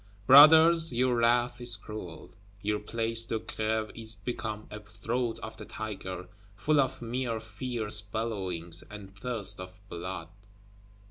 Brothers, your wrath is cruel! Your Place de Grève is become a Throat of the Tiger, full of mere fierce bellowings, and thirst of blood.